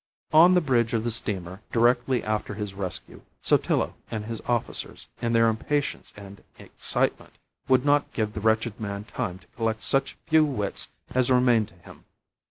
On the bridge of the steamer, directly after his rescue, Sotillo and his officers, in their impatience and excitement, would not give the wretched man time to collect such few wits as remained to him.